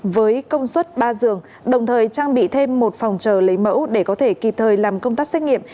với công suất ba giường đồng thời trang bị thêm một phòng chờ lấy mẫu để có thể kịp thời làm công tác xét nghiệm